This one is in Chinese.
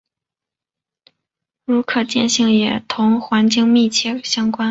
如可见性也同环境密切相关。